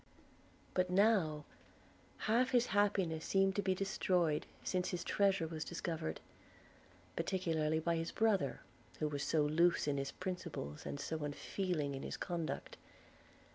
But now half his happiness seemed to be destroyed, since his treasure was discovered, particularly by his brother, who was so loose in his principles, and so unfeeling in his conduct.